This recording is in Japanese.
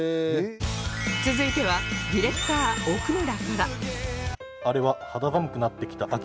続いてはディレクター奥村から